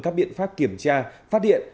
các biện pháp kiểm tra phát hiện